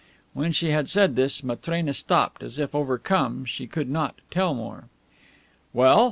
When she had said this, Matrena stopped, as if, overcome, she could not tell more. "Well?"